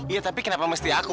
iya tapi kenapa mesti aku